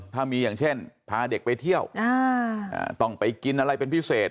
ถ้ามีอย่างเช่นพาเด็กไปเที่ยวต้องไปกินอะไรเป็นพิเศษ